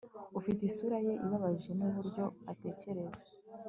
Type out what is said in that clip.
ufite isura ye ibabaje nuburyo atekereza